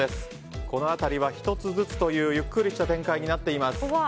この辺りは１つずつというゆっくりした展開です。